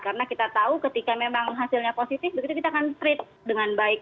karena kita tahu ketika memang hasilnya positif begitu kita akan treat dengan baik